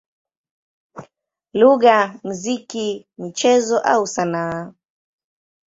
lugha, muziki, michezo au sanaa.